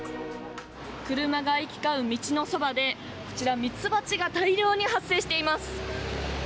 車が行き交う道のそばでこちら、ミツバチが大量に発生しています。